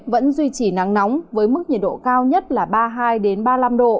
vẫn duy trì nắng nóng với mức nhiệt độ cao nhất là ba mươi hai ba mươi năm độ